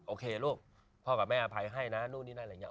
โอเคลูกพ่อกับแม่อภัยให้นะ